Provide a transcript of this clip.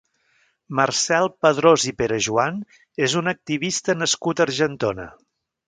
Marcel Padrós i Perejoan és un activista nascut a Argentona.